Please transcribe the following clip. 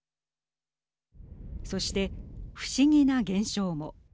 そして、不思議な現象も。